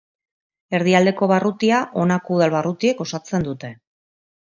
Erdialdeko barrutia honako udal barrutiek osatzen dute.